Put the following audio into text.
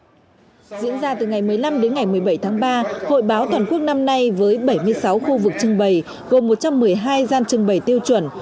diễn ra từ ngày một mươi năm đến ngày một mươi bảy tháng ba hội báo toàn quốc năm nay với bảy mươi sáu khu vực trưng bày gồm một trăm một mươi hai gian trưng bày tiêu chuẩn